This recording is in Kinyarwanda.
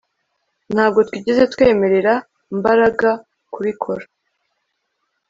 Ntabwo twigeze twemerera Mbaraga kubikora